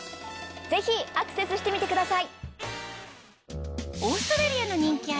ぜひアクセスしてみてください！